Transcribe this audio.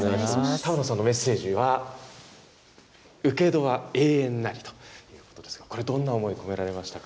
玉野さんのメッセージは、請戸は永遠なり！と、これ、どんな思い、込められましたか。